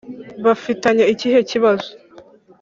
bafitanye ikihe kibazo?